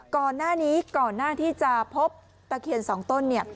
ก่อนหน้านี้ที่จอดพบตะเคียน๒ต้น